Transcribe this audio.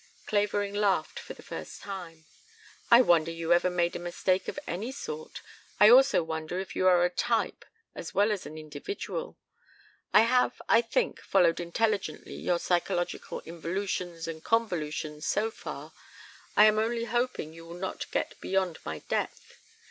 '" Clavering laughed for the first time. "I wonder you ever made a mistake of any sort. I also wonder if you are a type as well as an individual? I have, I think, followed intelligently your psychological involutions and convolutions so far. I am only hoping you will not get beyond my depth.